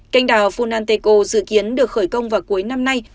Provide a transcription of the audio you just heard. canh đảo funanteko dự kiến được khởi công vào cuối năm nay